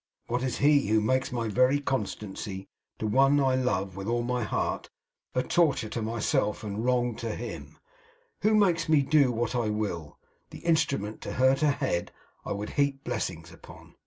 What is he who makes my very constancy to one I love with all my heart a torture to myself and wrong to him; who makes me, do what I will, the instrument to hurt a head I would heap blessings on!